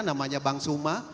namanya bank suma